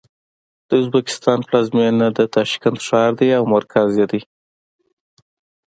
د ازبکستان پلازمېنه د تاشکند ښار دی او مرکز یې دی.